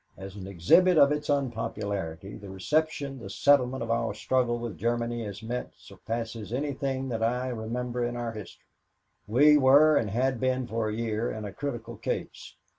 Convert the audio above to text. As an exhibit of its unpopularity, the reception the settlement of our struggle with Germany has met surpasses anything that I remember in our history. We were and had been for a year in a critical case.